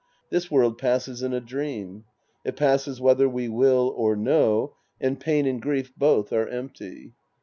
This world passes in a dream It passes whether we will or no, and pain and grief both are empty.